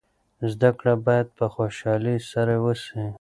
زده کړه باید په خوشحالۍ سره وسي.